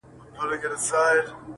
انسان وجدان سره مخ کيږي تل-